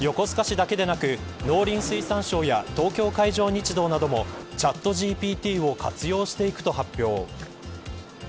横須賀市だけでなく農林水産省や東京海上日動などもチャットＧＰＴを活用していくと発表。